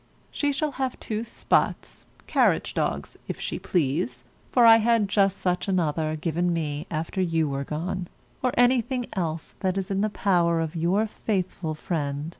She shall have two "spots" [carriage dogs] if she please (for I had just such another given me after you were gone), or anything else that is in the power of Yours.